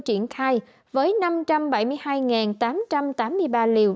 triển khai với năm trăm bảy mươi hai tám trăm tám mươi ba liều